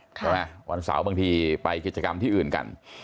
วันเสาร์บางทีไปกิจกรรมที่อื่นกัน